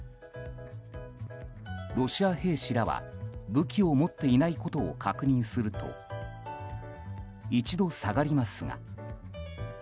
ロシア兵士らは、武器を持っていないことを確認すると一度下がりますが。